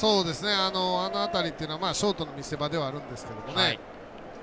あの辺りというのはショートの見せ場ではあるんですけどね。